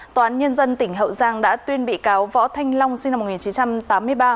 tòa án nhân dân tỉnh hậu giang đã tuyên bị cáo võ thanh long sinh năm một nghìn chín trăm tám mươi ba